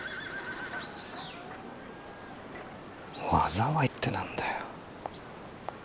「災い」って何だよ。